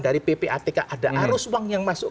dari ppatk ada arus uang yang masuk